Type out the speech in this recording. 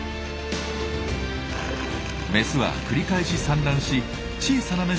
メスは繰り返し産卵し小さなメスで１万個。